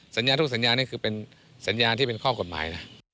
สัญญาทุกสัญญานี่คือเป็นสัญญาที่เป็นข้อกฎหมายนะ